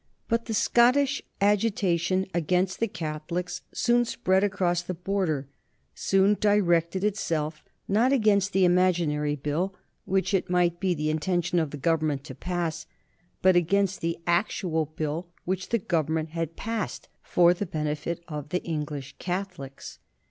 But the Scottish agitation against the Catholics soon spread across the Border, soon directed itself, not against the imaginary Bill which it might be the intention of the Government to pass, but against the actual Bill which the Government had passed for the benefit of English Catholics.